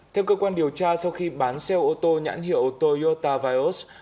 theo cơ quan điều tra sau khi bán xe ô tô nhãn hiệu toyota vios